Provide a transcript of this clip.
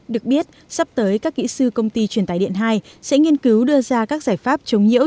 được biết sắp tới các kỹ sư công ty truyền tài điện hai sẽ nghiên cứu đưa ra các giải pháp chống nhiễu